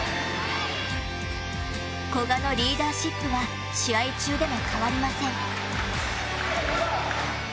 古賀のリーダーシップは試合中でも変わりません。